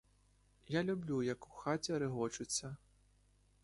Я люблю, як у хаті регочуться.